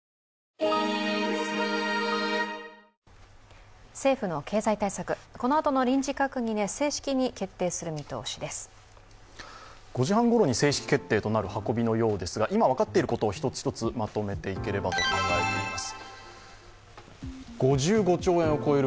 ５時半ごろに正式決定となる運びのようですが、今分かっていることを一つ一つまとめていければと思います。